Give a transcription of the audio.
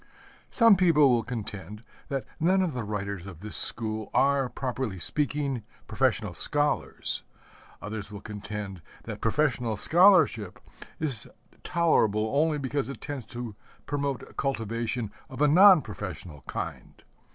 Some people will contend that none of the writers of this school are, properly speaking, professional scholars. Others will contend that professional scholarship is tolerable only because it tends to promote cultivation of a non professional kind.